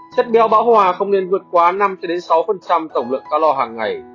chất béo bão hòa không nên vượt quá năm sáu tổng lượng calor hàng ngày